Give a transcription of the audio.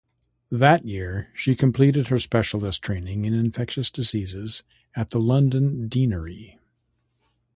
That year she completed her specialist training in infectious diseases at the London Deanery.